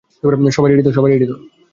সবাই রেডি তো?